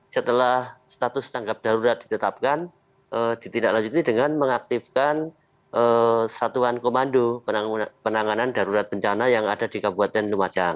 setelah status tanggap darurat ditetapkan ditindaklanjuti dengan mengaktifkan satuan komando penanganan darurat bencana yang ada di kabupaten lumajang